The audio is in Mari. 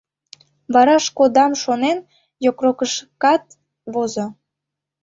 Вараш кодам шонен, йокрокышкат возо.